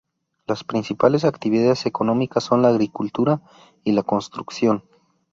Las principales actividades económicas son la agricultura y la construcción.